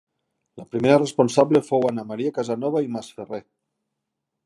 La primera responsable fou Anna Maria Casanova i Masferrer.